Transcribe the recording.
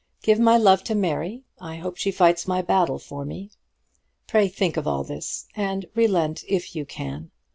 Give my love to Mary. I hope she fights my battle for me. Pray think of all this, and relent if you can.